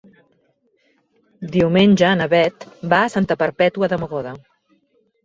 Diumenge na Bet va a Santa Perpètua de Mogoda.